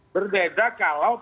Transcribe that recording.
berbeda kalau pkb